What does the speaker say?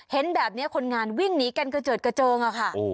เห็นแบบเนี้ยคนงานวิ่งหนีกันเกลือดเกลือเจิงอะค่ะ